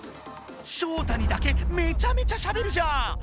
ショウタにだけめちゃめちゃしゃべるじゃん！